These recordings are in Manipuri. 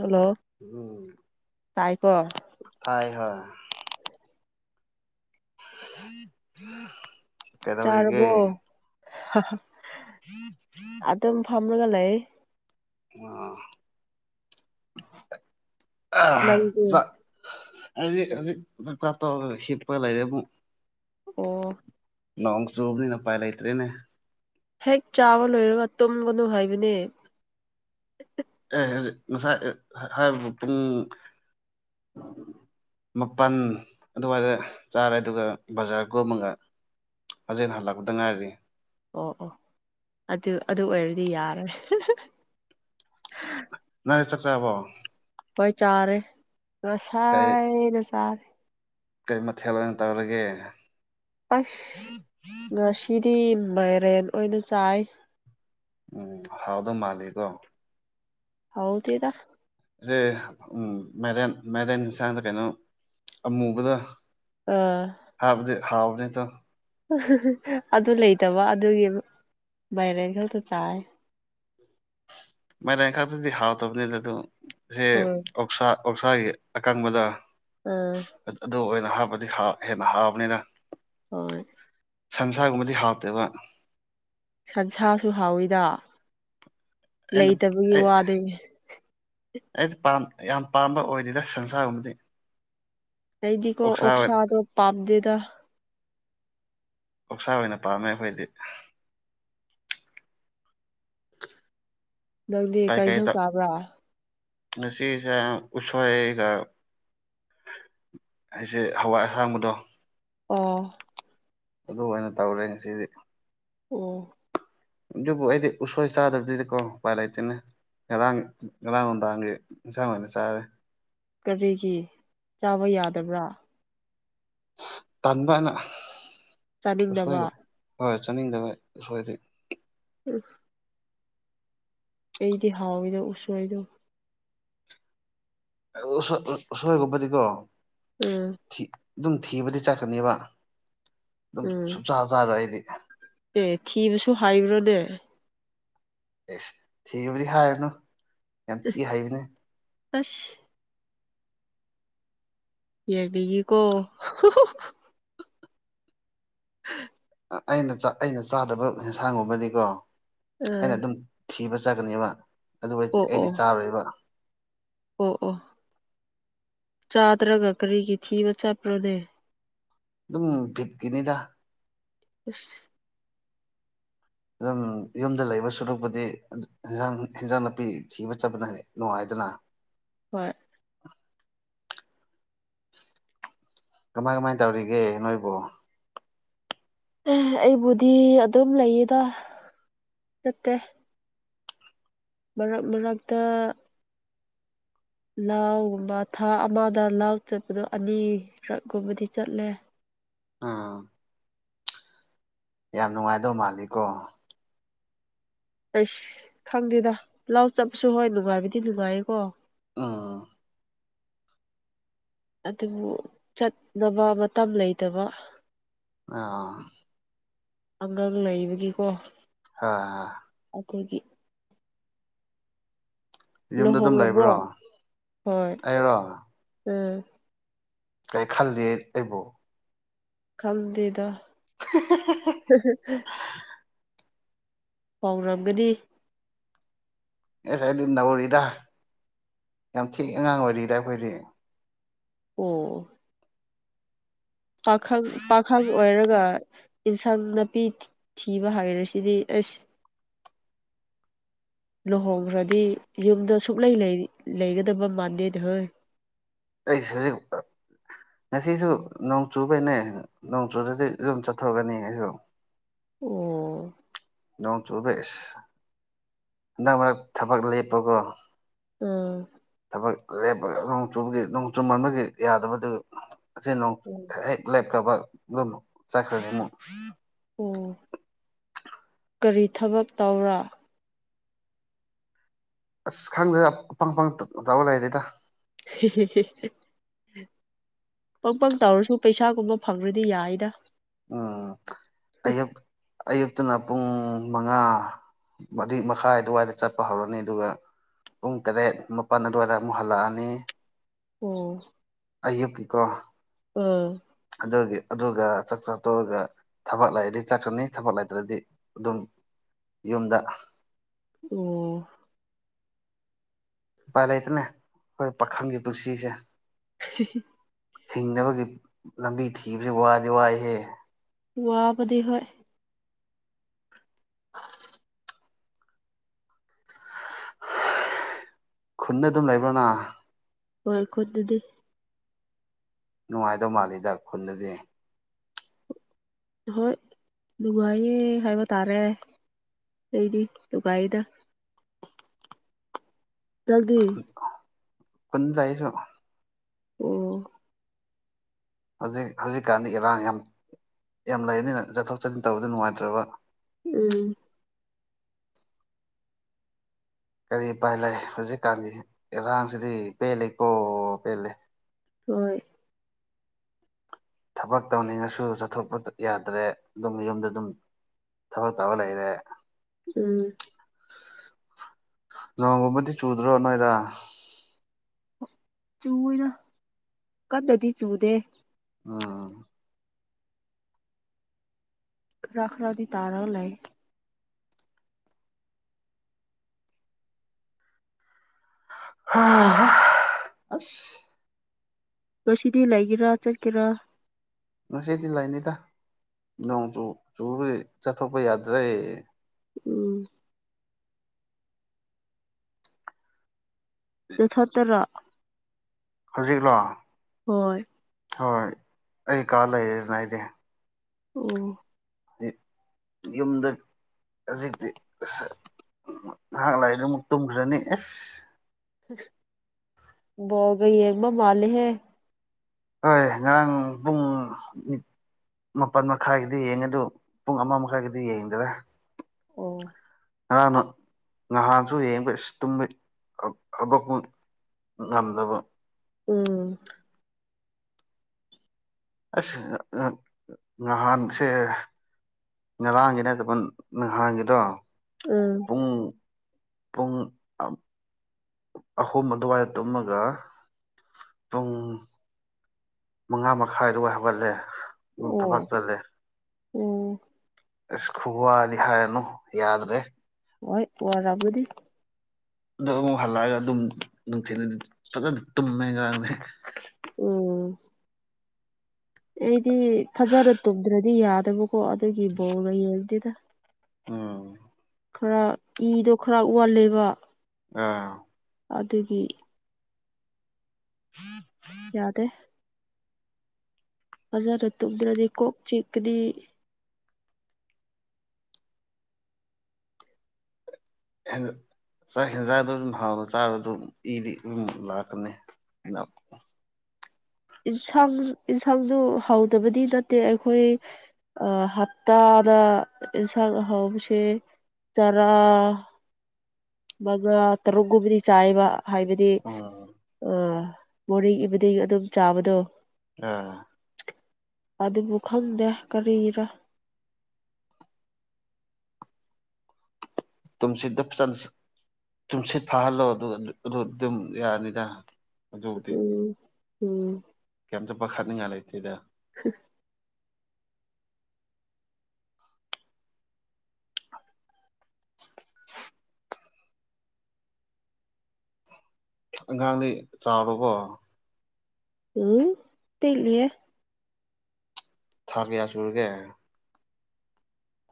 ꯍꯜꯂꯣ ꯎꯝ ꯇꯥꯏꯀꯣ ꯇꯥꯏ ꯍꯣꯏ ꯀꯩꯗꯧꯔꯤꯒꯦ ꯍꯥ ꯍꯥ [unintelligible] ꯐꯝꯔꯒ ꯂꯩ ꯋꯥ ꯅꯪꯗꯤ ꯑꯩꯗꯤ ꯍꯧꯖꯤꯛ ꯆꯥꯛꯆꯥ ꯇꯣꯛꯑꯒ ꯍꯤꯞꯄ ꯂꯩꯔꯦ ꯃꯨꯛ ꯑꯣ ꯅꯣꯡ ꯆꯨꯕꯅꯤꯅ ꯎꯄꯥꯏ ꯂꯩꯇ꯭ꯔꯦꯅꯦ ꯍꯦꯛ ꯆꯥꯕ ꯂꯣꯏꯔꯒ ꯇꯨꯝꯒꯅꯨ ꯍꯥꯏꯕꯅꯦ ꯑꯦ ꯉꯁꯥꯏ ꯍꯥꯏꯕꯕꯨ ꯄꯨꯡ [inaudible] ꯃꯥꯄꯟ ꯑꯗꯨꯋꯥꯏꯗ ꯆꯥꯔꯦ ꯑꯗꯨꯒ ꯕꯖꯥꯔ ꯀꯨꯝꯃꯒ ꯍꯧꯖꯤꯛ ꯍꯜꯂꯛꯄꯗ ꯉꯥꯏꯔꯤ ꯑꯣ ꯑꯣ ꯑꯗꯨ ꯑꯗꯨ ꯑꯣꯏꯔꯗꯤ ꯌꯥꯔꯦ ꯅꯣꯏ ꯆꯥꯛ ꯆꯥꯔꯕꯣ ꯍꯣꯏ ꯆꯥꯔꯦ ꯀꯩ ꯉꯁꯥꯏꯅ ꯆꯥꯔꯦ ꯀꯩ ꯃꯊꯦꯜ ꯑꯣꯏꯅ ꯇꯧꯔꯒꯦ ꯑꯁ ꯉꯁꯤꯗꯤ ꯃꯥꯏꯔꯦꯟ ꯑꯣꯏꯅ ꯆꯥꯏ ꯎꯝ ꯍꯥꯎꯗꯧ ꯃꯥꯜꯂꯤꯀꯣ ꯍꯥꯎꯗꯦꯗ ꯁꯦ ꯎꯝ ꯃꯥꯢꯔꯦꯟ ꯃꯥꯢꯔꯦꯟ ꯌꯦꯟꯁꯥꯡꯗ ꯀꯩꯅꯣ ꯑꯃꯨꯕꯗꯣ ꯑꯥ ꯍꯥꯎꯕꯅꯦ ꯑꯇꯣ ꯑꯗꯨ ꯂꯩꯇꯕ ꯑꯗꯨꯒꯤ ꯃꯥꯏꯔꯦꯟ ꯈꯛꯇ ꯆꯥꯏ [inaudible] ꯃꯥꯏꯔꯦꯟ ꯈꯛꯇꯗꯤ ꯍꯥꯎꯇꯕꯅꯤꯗ ꯑꯗꯨ ꯁꯦ ꯍꯣꯏ ꯑꯣꯛꯁꯥ ꯑꯣꯛꯁꯥꯒꯤ ꯑꯀꯪꯕꯗꯣ ꯑꯥ ꯑꯗꯨ ꯑꯣꯏꯅ ꯍꯥꯞꯄꯗꯤ ꯍꯦꯟꯅ ꯍꯥꯎꯕꯅꯤꯗ ꯍꯣꯏ ꯁꯟꯁꯥꯒꯨꯝꯕꯗꯤ ꯍꯥꯎꯇꯦꯕ ꯁꯟꯁꯥꯁꯨ ꯍꯥꯎꯋꯤꯗ ꯑꯩꯅ ꯂꯩꯇꯕꯒꯤ ꯑꯩ ꯋꯥꯅꯤ ꯑꯩꯗꯤ ꯄꯥꯝ ꯌꯥꯝ ꯄꯥꯝꯕ ꯑꯣꯏꯗꯦꯗ ꯁꯟꯁꯥꯒꯨꯝꯕꯗꯤ ꯑꯩꯗꯤꯀꯣ ꯑꯣꯛꯁꯥ ꯑꯣꯛꯁꯥꯗꯣ ꯄꯥꯝꯗꯦꯗ ꯑꯣꯛꯁꯥ ꯑꯣꯏꯅ ꯄꯥꯝꯃꯦ ꯑꯈꯣꯏꯗꯤ ꯅꯪꯗꯤ ꯀꯩ ꯏꯟꯁꯥꯡ ꯆꯥꯕ꯭ꯔꯥ ꯉꯁꯤꯁꯦ ꯎꯁꯣꯢꯒ ꯑꯩꯁꯦ ꯍꯋꯥꯏ ꯑꯁꯥꯡꯕꯗꯣ ꯑꯣ ꯑꯗꯨ ꯑꯣꯏꯅ ꯇꯧꯔꯦ ꯉꯁꯤꯗꯤ ꯑꯣ ꯑꯗꯨꯕꯨ ꯑꯩꯗꯤ ꯎꯁꯣꯏ ꯆꯥꯗꯕꯅꯤꯅ ꯀꯣ ꯎꯄꯥꯏ ꯂꯩꯇꯦꯅꯦ ꯉꯔꯥꯡ ꯉꯔꯥꯡ ꯅꯨꯡꯗꯥꯡꯒꯤ ꯏꯟꯁꯥꯡ ꯑꯣꯏꯅ ꯆꯥꯔꯦ ꯀꯔꯤꯒꯤ ꯆꯥꯕ ꯌꯥꯗꯕ꯭ꯔꯥ ꯇꯟꯕꯅ ꯆꯥꯅꯤꯡꯗꯕ ꯍꯣꯏ ꯆꯥꯅꯤꯡꯗꯕ ꯎꯁꯣꯏꯗꯤ [inaudible] ꯑꯩꯗꯤ ꯍꯥꯎꯋꯤꯗ ꯎꯁꯣꯏꯗꯣ ꯑ ꯎꯁꯣꯏ ꯎꯁꯣꯏꯒꯨꯝꯕꯗꯤꯀꯣ ꯎꯝ ꯊꯤ ꯑꯗꯨꯝ ꯊꯤꯕꯗꯤ ꯆꯠꯀꯅꯦꯕ ꯑꯗꯨꯝ ꯎꯝ ꯁꯨꯡꯆꯥꯥ ꯆꯥꯔꯣꯏ ꯑꯩꯗꯤ ꯑꯦ ꯊꯤꯕꯁꯨ ꯍꯥꯏꯕ꯭ꯔꯅꯦ ꯑꯦꯁ ꯊꯤꯕꯗꯤ ꯍꯥꯏꯔꯨꯅꯨ ꯌꯥꯝ ꯊꯤ ꯍꯩꯕꯅꯦ ꯑꯁ ꯌꯦꯡꯅꯤꯉꯤꯀꯣ [inaudible] ꯑꯩꯅ ꯆꯥ ꯑꯩꯅ ꯆꯥꯗꯕ ꯌꯦꯟꯁꯥꯡꯒꯨꯝꯕꯗꯤꯀꯣ ꯑꯥ ꯑꯩꯅ ꯑꯗꯨꯝ ꯊꯤꯕ ꯆꯠꯀꯅꯦꯕ ꯑꯗꯨ ꯑꯩ ꯑꯣ ꯑꯣ ꯑꯩꯗꯤ ꯆꯥꯔꯣꯏꯕ ꯑꯣ ꯑꯣ ꯆꯥꯗ꯭ꯔꯒ ꯀꯔꯤꯒꯤ ꯊꯤꯕ ꯆꯠꯄ꯭ꯔꯥꯅꯦ ꯑꯗꯨꯝ ꯕꯤꯠꯀꯤꯅꯤꯗ ꯑꯁ ꯑꯗꯨꯝ ꯌꯨꯝꯗ ꯂꯩꯕ ꯁꯨꯔꯨꯛꯄꯨꯗꯤ ꯏꯟꯖꯥꯡ ꯏꯟꯖꯥꯡ ꯅꯥꯄꯤ ꯊꯤꯕ ꯆꯠꯄꯅ ꯍꯦꯟꯅ ꯅꯨꯡꯉꯥꯏ ꯗꯅꯥ ꯍꯣꯏ ꯀꯃꯥꯏ ꯀꯃꯥꯏ ꯇꯧꯔꯤꯒꯦ ꯅꯣꯏꯕꯨ ꯑꯦ ꯑꯩꯕꯨꯗꯤ ꯑꯗꯨꯝ ꯂꯩꯌꯦꯗ ꯆꯠꯇꯦ ꯃꯔꯛ ꯃꯔꯛꯇ ꯂꯥꯎꯒꯨꯝꯕ ꯊꯥ ꯑꯃꯗ ꯂꯥꯎ ꯆꯠꯄꯗꯣ ꯑꯅꯤꯔꯛ꫰ꯀꯨꯝꯕꯗꯤ ꯆꯠꯂꯦ ꯑꯥ ꯌꯥꯝ ꯅꯨꯡꯉꯥꯏꯗꯧ ꯃꯥꯜꯂꯤꯀꯣ ꯑꯩꯁ ꯈꯪꯗꯦꯗ ꯂꯥꯎ ꯆꯠꯄꯁꯨ ꯍꯣꯏ ꯅꯨꯡꯉꯥꯏꯕꯗꯤ ꯅꯨꯡꯉꯥꯏꯌꯦꯀꯣ ꯑꯥ ꯑꯗꯨꯕꯨ ꯆꯠꯅꯕ ꯃꯇꯝ ꯂꯩꯇꯕ ꯑꯥ ꯑꯉꯥꯡ ꯂꯩꯕꯒꯤꯀꯣ [unintelligible] ꯈꯣꯏꯒꯤ ꯌꯨꯝꯗ ꯑꯗꯨꯝ ꯂꯨꯍꯣꯡꯉꯕ꯭ꯔꯣ ꯂꯩꯕ꯭ꯔꯣ ꯍꯣꯏ ꯑꯩꯔꯣ ꯎꯝ ꯀꯩ ꯈꯜꯂꯤ ꯑꯩꯕꯨ ꯈꯪꯗꯦꯗ [unintelligible] ꯄꯥꯎꯔꯝꯒꯅꯤ ꯑꯦꯔ ꯑꯗꯨ ꯅꯧꯔꯤꯗ ꯌꯥꯝ ꯊꯤ ꯑꯉꯥꯡ ꯑꯣꯏꯔꯤꯗ ꯑꯩꯈꯣꯏꯗꯩ ꯑꯣ ꯄꯥꯈꯪ ꯄꯥꯈꯪ ꯑꯣꯏꯔꯒ ꯏꯟꯁꯥꯡ ꯅꯥꯄꯤ ꯊꯤꯕ ꯍꯥꯏꯔꯁꯤꯗꯤ ꯑꯩꯁ ꯂꯨꯍꯣꯡꯈ꯭ꯔꯗꯤ ꯌꯨꯝꯗ ꯁꯨꯛꯂꯩ ꯂꯩ ꯂꯩꯒꯗꯕ ꯃꯥꯟꯗꯦꯗꯍꯩ ꯑꯩꯁ ꯍꯖꯤꯛ ꯉꯁꯤꯁꯨ ꯅꯣꯡꯆꯨꯕꯩꯅꯦ ꯅꯣꯡꯆꯨꯗꯗꯤ ꯑꯗꯨꯝ ꯆꯠꯊꯒꯅꯤ ꯑꯩꯁꯨ ꯑꯣ ꯅꯣꯡ ꯆꯨꯕꯔ ꯑ꯭ꯁ ꯍꯟꯗꯛ ꯃꯔꯛ ꯊꯕꯛ ꯂꯦꯞꯄꯕꯣ ꯑꯥ ꯊꯕꯛ ꯂꯦꯞꯄꯒ ꯅꯣꯡ ꯆꯨꯕꯒꯤ ꯅꯣꯡ ꯆꯨꯃꯟꯕꯒꯤ ꯌꯥꯗꯕꯗꯨ ꯑꯁꯦ ꯅꯣꯡ ꯑꯣ ꯍꯦꯛ ꯂꯦꯞꯈ꯭ꯔꯕ ꯑꯗꯨꯝ ꯆꯠꯈ꯭ꯔꯒ ꯑꯣ ꯀꯔꯤ ꯊꯕꯛ ꯇꯧꯔꯥ ꯑꯁ ꯈꯪꯗꯦ ꯑꯐꯪ ꯑꯐꯪꯪ ꯇꯧ ꯂꯩꯔꯦꯗ ꯍꯤ ꯍꯤ ꯍꯤ ꯍꯤ ꯐꯪꯐꯪ ꯇꯧꯔꯁꯨ ꯄꯩꯁꯥꯒꯨꯝꯕ ꯐꯪꯔꯗꯤ ꯌꯥꯏꯗ ꯑꯥ ꯑꯌꯨꯛ ꯑꯌꯨꯛ ꯇꯨꯅ ꯄꯨꯡ ꯃꯉꯥ ꯃꯔꯤ ꯃꯈꯥꯏ ꯑꯗꯨꯋꯥꯏꯗ ꯆꯠꯄ ꯍꯧꯔꯅꯤ ꯑꯗꯨꯒ ꯄꯨꯡ ꯇꯔꯦꯠ ꯃꯥꯄꯟ ꯑꯗꯨꯋꯥꯏꯗ ꯑꯃꯨꯛ ꯍꯜꯂꯛꯑꯅꯤ ꯑꯣ ꯑꯌꯨꯛꯀꯤꯀꯣ ꯑꯝ ꯑꯗꯨꯒꯤ ꯑꯗꯨꯒ ꯆꯥꯛ ꯆꯥ ꯇꯣꯛꯑꯒ ꯊꯕꯛ ꯂꯩꯔꯗꯤ ꯆꯠꯀꯅꯤ ꯊꯕꯛ ꯂꯩꯇ꯭ꯔꯗꯤ ꯑꯗꯨꯝ ꯌꯨꯝꯗ ꯑꯣ ꯎꯄꯥꯏ ꯂꯩꯇꯅꯦ ꯑꯩꯈꯣꯏ ꯄꯥꯈꯪꯒꯤ ꯄꯨꯟꯁꯤꯁꯦ [unintelligible] ꯍꯤꯡꯅꯕꯒꯤ ꯂꯝꯕꯤ ꯊꯤꯕꯁꯦ ꯋꯥꯗꯤ ꯋꯥꯏꯍꯦ ꯋꯥꯕꯅꯤ ꯍꯣꯏ ꯈꯨꯟꯗ ꯑꯗꯨꯝ ꯂꯩꯕ꯭ꯔ ꯅꯪ ꯍꯣꯏ ꯈꯨꯟꯗꯨꯗꯤ ꯅꯨꯡꯉꯥꯏꯗꯧ ꯃꯥꯜꯂꯤꯗ ꯈꯨꯟꯗꯗꯤ ꯍꯣꯏ ꯅꯨꯡꯉꯥꯏꯌꯦ ꯍꯥꯏꯕ ꯇꯥꯔꯦ ꯑꯩꯗꯤ ꯅꯨꯡꯉꯥꯏꯗ ꯅꯪꯗꯤ ꯈꯨꯟꯗ ꯑꯩꯁꯨ ꯑꯣ ꯍꯧꯖꯤꯛ ꯍꯧꯖꯤꯛꯀꯥꯟꯗꯤ ꯏꯔꯥꯡ ꯌꯥꯝ ꯌꯥꯝ ꯂꯩꯌꯦꯅ ꯆꯠꯊꯣꯛ ꯆꯠꯁꯤꯟ ꯇꯧꯕꯗ ꯅꯨꯡꯉꯥꯏꯇ꯭ꯔꯕ ꯎꯝ ꯀꯔꯤ ꯎꯄꯥꯏ ꯂꯩ ꯍꯧꯖꯤꯛꯀꯥꯟꯗꯤ ꯏꯔꯥꯡꯁꯤꯗꯤ ꯄꯦꯜꯂꯦꯀꯣ ꯄꯦꯜꯂꯦ ꯍꯣꯏ ꯊꯕꯛ ꯇꯧꯅꯤꯡꯉꯁꯨ ꯆꯠꯊꯣꯛꯄ ꯌꯥꯗ꯭ꯔꯦ ꯑꯗꯨꯝ ꯌꯨꯝꯗ ꯑꯗꯨꯝ ꯊꯕꯛ ꯇꯧꯔ ꯂꯩꯔꯦ ꯎꯝ ꯅꯣꯡꯒꯨꯝꯕꯗꯤ ꯆꯨꯗ꯭ꯔꯣ ꯅꯣꯏꯗ ꯆꯨꯋꯦꯗ ꯀꯟꯅꯗꯤ ꯆꯨꯗꯦ ꯑꯥ ꯈꯔ ꯈꯔꯗꯤ ꯇꯔꯥ ꯂꯩ ꯍꯥ ꯍꯥ ꯑꯁ ꯉꯁꯤꯗꯤ ꯂꯩꯒꯦꯔ ꯆꯠꯀꯦꯔ ꯉꯁꯤꯗꯤ ꯂꯩꯅꯤꯗ ꯅꯣꯡꯁꯨ ꯆꯨꯔꯦ ꯆꯠꯊꯣꯛꯄ ꯌꯥꯗ꯭ꯔꯦ ꯎꯝ ꯅꯊꯟꯇꯔ ꯍꯧꯖꯤꯛꯂꯣ ꯍꯣꯏ ꯍꯣꯏ ꯑꯩ ꯀꯥ ꯂꯩꯌꯦꯅ ꯑꯩꯗꯤ ꯑꯣ ꯌꯨꯝꯗ ꯍꯧꯖꯤꯛꯇꯤ ꯑꯁ ꯉꯥꯏꯍꯥꯛ ꯂꯩꯔꯒ ꯑꯃꯨꯛ ꯇꯨꯝꯈ꯭ꯔꯅꯤ ꯑꯁ ꯑꯁ ꯕꯣꯜꯒ ꯌꯦꯡꯕ ꯃꯥꯜꯂꯦꯍꯦ ꯍꯣꯏ ꯉꯔꯥꯡ ꯄꯨꯡ ꯅꯤ ꯃꯥꯄꯜ ꯃꯈꯥꯏꯒꯤꯗꯤ ꯌꯦꯡꯉꯦ ꯑꯗꯨ ꯄꯨꯡ ꯑꯃ ꯃꯈꯥꯏꯒꯤꯗꯤ ꯌꯦꯡꯗꯔꯦ ꯑꯣ ꯉꯔꯥꯡꯅ ꯅꯍꯥꯟꯁꯨ ꯌꯦꯡꯕ ꯏꯁ ꯇꯨꯝꯃꯤ ꯍꯧꯒꯠꯄꯨ ꯉꯝꯗꯕ ꯎꯝ ꯑꯁ ꯉꯍꯥꯟꯁꯦ ꯉꯔꯥꯡꯒꯤ ꯅꯠꯗꯕ ꯅꯍꯥꯟꯒꯤꯗꯣ ꯎꯝ ꯄꯨꯡ ꯄꯨꯡ ꯑ ꯑꯍꯨꯝ ꯑꯗꯨꯋꯥꯏꯗ ꯇꯨꯝꯃꯒ ꯄꯨꯡ ꯃꯉꯥ ꯃꯈꯥꯏ ꯑꯗꯨꯋꯥꯢ ꯍꯥꯒꯠꯂꯦ ꯑꯗꯨꯝ ꯑꯣ ꯊꯕꯛ ꯆꯠꯂꯦ ꯎꯝ ꯑꯁ ꯈꯨꯋꯥꯗꯤ ꯍꯥꯏꯔꯅꯨ ꯌꯥꯗ꯭ꯔꯦ ꯍꯣꯏ ꯋꯥꯔꯝꯒꯅꯤ ꯑꯗꯨ ꯑꯃꯨꯛ ꯍꯜꯂꯛꯑꯒ ꯑꯗꯨꯝ ꯅꯨꯡꯊꯤꯜ ꯐꯖꯅ ꯇꯨꯝꯃꯦ ꯉꯔꯥꯡꯗꯤ ꯎꯝ ꯑꯩꯗꯤ ꯐꯖꯅ ꯇꯨꯝꯗ꯭ꯔꯗꯤ ꯌꯥꯗꯕꯀꯣ ꯑꯗꯨꯒꯤ ꯕꯣꯜꯒ ꯌꯦꯡꯗꯦꯗ ꯑꯥ ꯈꯔ ꯏꯗꯣ ꯈꯔ ꯋꯥꯠꯂꯦꯕ ꯑꯥ ꯑꯗꯨꯒꯤ [inaudible] ꯌꯥꯗꯦ ꯐꯖꯥꯅ ꯇꯨꯗ꯭ꯔꯗꯤ ꯀꯣꯛ ꯆꯤꯛꯀꯅꯤ ꯍꯦ ꯆꯥꯛ ꯍꯦꯟꯖꯥꯡꯗꯨ ꯑꯗꯨꯝ ꯍꯥꯎꯅ ꯆꯥꯔꯁꯨ ꯏꯗꯤ ꯑꯗꯨꯝ ꯂꯥꯛꯀꯅꯤ ꯏꯟꯁꯥꯡ ꯌꯦꯟꯁꯥꯡꯗꯨ ꯍꯥꯎꯗꯕꯗꯤ ꯅꯠꯇꯦ ꯑꯩꯈꯣꯏ ꯑꯥ ꯍꯞꯇꯥ ꯏꯟꯁꯥꯡ ꯑꯍꯥꯎꯕꯁꯦ ꯆꯔꯥ ꯃꯉꯥ ꯇꯔꯨꯛꯒꯨꯝꯕꯗꯤ ꯆꯥꯏꯕ ꯍꯥꯏꯕꯗꯤ ꯎꯝ ꯑ ꯃꯣꯔꯅꯤꯡ ꯏꯕꯤꯅꯤꯡ ꯑꯗꯨꯝ ꯆꯥꯕꯗꯣ ꯑꯥ ꯑꯗꯨꯕꯨ ꯈꯪꯗꯦ ꯀꯔꯤꯔ ꯇꯨꯝꯁꯤꯗ ꯐꯖꯟ ꯇꯨꯝꯁꯤꯠ ꯐꯥꯍꯜꯂꯣ ꯑꯗꯨ ꯑꯗꯨ ꯑꯗꯨꯝ ꯌꯥꯔꯅꯤꯗ ꯑꯗꯨꯕꯨꯗꯤ ꯎꯝ ꯎꯝ ꯀꯩꯝꯇ ꯄꯥꯈꯠꯅꯤꯡꯉꯥꯏ ꯂꯩꯇꯦꯗ ꯑꯝ [inaudible] ꯑꯉꯥꯡꯗꯤ ꯆꯥꯎꯔꯕꯣ ꯎꯝ ꯄꯤꯛꯂꯤꯌꯦ ꯊꯥ ꯀꯌꯥ ꯁꯨꯨꯔꯒꯦ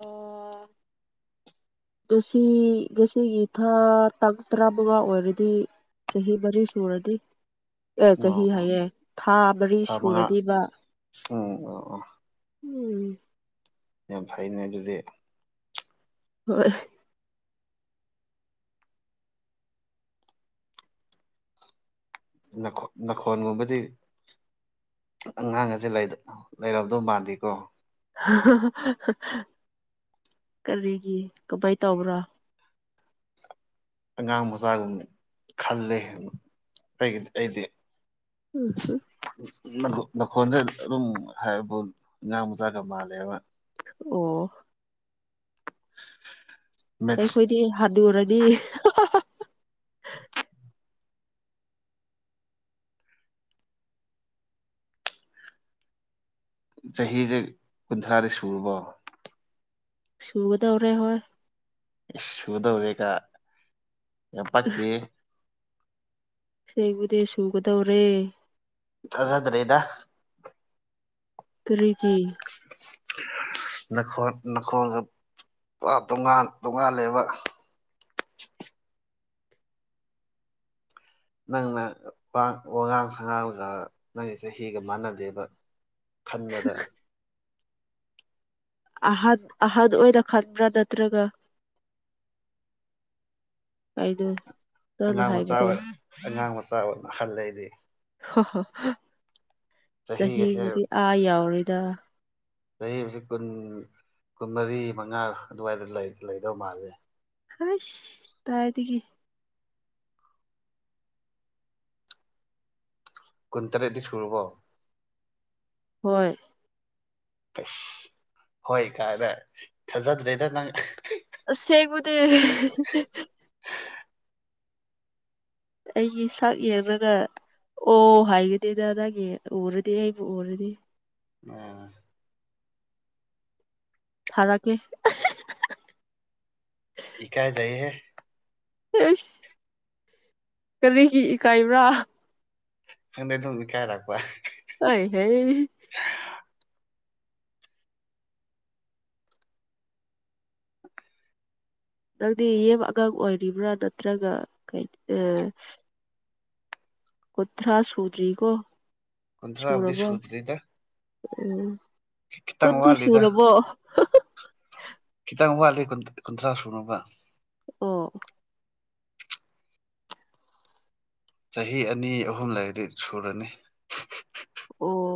ꯑꯣ ꯉꯁꯤ ꯉꯁꯤꯒꯤ ꯊꯥ ꯇꯥꯡ ꯇꯔꯥꯃꯉꯥ ꯑꯣꯏꯔꯗꯤ ꯆꯍꯤ ꯃꯔꯤ ꯁꯨꯔꯅꯤ ꯑꯦ ꯑꯣ ꯆꯍꯤ ꯑꯣ ꯍꯥꯏꯌꯦ ꯊꯥ ꯃꯔꯤ ꯁꯨꯔꯅꯤꯕ ꯑꯣ ꯑꯣ ꯑꯣ ꯎꯝ ꯌꯥꯝ ꯐꯩꯅꯦ ꯑꯗꯨꯗꯤ ꯍꯣꯢ ꯅ ꯅꯈꯣꯟꯒꯨꯕꯗꯤ ꯑꯉꯥꯡ ꯑꯁꯦ ꯂꯩꯗ ꯂꯩꯔꯝꯗꯧ ꯃꯥꯥꯟꯗꯦꯀꯣ ꯀꯔꯤꯒꯤ ꯀꯃꯥꯏ ꯇꯧꯕ꯭ꯔꯥ ꯑꯉꯥꯡ ꯃꯆꯥꯒꯨꯝ ꯈꯜꯂꯦ ꯑꯩꯒꯤꯗꯤ ꯑꯩꯗꯤ ꯎꯝ ꯍꯝ ꯅꯈꯣꯟ ꯅꯈꯣꯟꯗ ꯑꯗꯨꯝ ꯍꯥꯏꯕꯛ ꯑꯉꯥꯡ ꯃꯆꯥꯒ ꯃꯥꯜꯂꯦꯕ ꯑꯣ [unintelligible] ꯑꯩꯈꯣꯏꯗꯤ ꯍꯥꯅꯨꯔꯅꯤ [unintelligible] ꯆꯍꯤꯁꯦ ꯀꯨꯟꯊ꯭ꯔꯥꯗꯤ ꯁꯨꯨꯔꯕꯣ ꯁꯨꯒꯗꯧꯔꯦ ꯍꯣꯏ ꯁꯨꯗꯧꯔꯦꯀ ꯌꯥꯝ ꯄꯛꯇꯦ ꯁꯦꯡꯕꯗꯤ ꯁꯨꯒꯗꯧꯔꯦ ꯊꯥꯖꯗ꯭ꯔꯦꯗ ꯀꯔꯤꯒꯤ ꯅꯈꯣꯜ ꯅꯈꯣꯜꯒ ꯇꯣꯉꯥꯟ ꯇꯣꯉꯥꯜꯂꯦꯕ [inaudible] ꯅꯪꯅ ꯄꯥ ꯋꯉꯥꯡ ꯁꯉꯥꯡꯒ ꯅꯪꯒꯤ ꯆꯍꯤꯒ ꯃꯥꯟꯅꯗꯦꯕ ꯈꯟꯕꯗ ꯑꯍꯟ ꯑꯍꯟ ꯑꯣꯏꯅ ꯈꯟꯕ꯭ꯔꯥ ꯅꯠꯇ꯭ꯔꯒ ꯀꯩꯅꯣ ꯅꯪꯅ ꯑꯉꯥꯡ ꯃꯆꯥ ꯍꯥꯏꯕꯗꯣ ꯑꯣꯏ ꯑꯉꯥꯡ ꯃꯆꯥ ꯑꯣ ꯍꯜꯂꯦ ꯑꯩꯗꯤ ꯍꯣ ꯍꯣ ꯆꯍꯤꯒꯁꯦ ꯆꯍꯤꯕꯨꯗꯤ ꯑꯥ ꯌꯥꯎꯔꯦꯗ ꯆꯍꯤꯕꯨꯗꯤ ꯀꯨꯟ ꯀꯨꯟꯃꯔꯤ ꯃꯉꯥ ꯑꯗꯨꯋꯥꯏꯗ ꯂꯩ ꯂꯩꯗꯧ ꯃꯥꯜꯂꯦ ꯍꯩꯁ ꯇꯥꯏꯗꯒꯤ ꯀꯨꯟꯇꯔꯦꯠꯇꯤ ꯁꯨꯔꯕꯣ ꯍꯣꯏ ꯑ꯭ꯁ ꯍꯣꯏ ꯀꯥꯏꯅ ꯊꯥꯖꯗ꯭ꯔꯦꯗ ꯅꯪ ꯑꯁꯦꯡꯕꯅꯦ ꯑꯩꯒꯤ ꯁꯥꯛ ꯌꯦꯡꯔꯒ ꯑꯣ ꯍꯥꯏꯒꯅꯤꯗ ꯅꯪꯒꯤ ꯎꯔꯗꯤ ꯑꯩꯕꯨ ꯎꯔꯗꯤ ꯑꯝ ꯊꯔꯥꯛꯀꯦ ꯏꯀꯥꯏꯖꯩꯍꯦ ꯏꯁ ꯀꯔꯤꯒꯤ ꯏꯀꯥꯏꯕ꯭ꯔꯥ ꯍꯟꯗꯦ ꯗꯨꯝ ꯏꯀꯥꯏꯔꯛꯄ ꯑꯩꯍꯦ ꯅꯪꯗꯤ ꯌꯦꯝ ꯑꯉꯥꯡ ꯑꯣꯏꯔꯤꯕ꯭ꯔꯥ ꯅꯠꯇ꯭ꯔꯒ ꯀꯩ ꯑ ꯀꯨꯟꯊ꯭ꯔꯥ ꯁꯨꯗ꯭ꯔꯤꯀꯣ ꯀꯨꯟꯊ꯭ꯔꯥꯕꯨꯗꯤ ꯁꯨꯔꯕꯣ ꯁꯨꯗ꯭ꯔꯤꯗ ꯎꯝ ꯈꯤꯇꯪ ꯀꯨꯟꯗꯤ ꯋꯥꯠꯂꯤꯗ ꯁꯨꯔꯕꯣ ꯈꯤꯇꯪ ꯋꯥꯠꯂꯤ ꯀꯨꯟ ꯀꯨꯟꯊ꯭ꯔꯥ ꯁꯨꯅꯕ ꯑꯣꯑꯣ ꯆꯍꯤ ꯑꯅꯤ ꯑꯍꯨꯝ ꯂꯩꯔꯗꯤ ꯁꯨꯔꯅꯤ ꯑꯣ